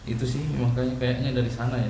itu sih makanya kayaknya dari sana ya